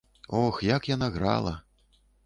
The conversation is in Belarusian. Ох, як яна грала!